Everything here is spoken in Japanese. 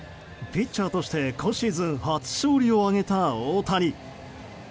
ピッチャーとして今シーズン初勝利を挙げた大谷。